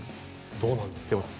どうなんですか？